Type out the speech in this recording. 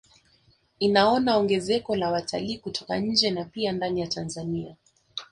Inaona ongezeko la watalii kutoka nje na pia na ndani ya Tanzania